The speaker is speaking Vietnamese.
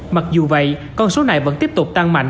mặc dù vậy con số này vẫn tiếp tục tăng mạnh